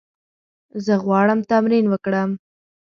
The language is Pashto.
زه غواړم تمرین وکړم.